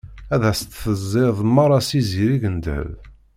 Ad as-d-tezziḍ meṛṛa s izirig n ddheb.